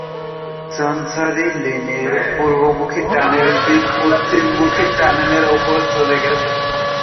Chancery লেনে পূর্বমুখী টানেলটি পশ্চিমমুখী টানেলের উপরে চলে গেছে।